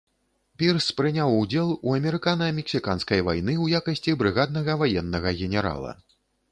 Пірс прыняў удзел у амерыкана-мексіканскай вайны ў якасці брыгаднага ваеннага генерала.